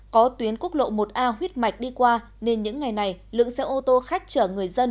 có tuyến quốc lộ một a huyết mạch đi qua nên những ngày này lượng xe ô tô khách chở người dân